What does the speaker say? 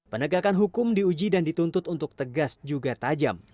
penegakan hukum diuji dan dituntut untuk tegas juga tajam